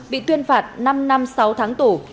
bị tuyên phạt năm năm sáu tháng tù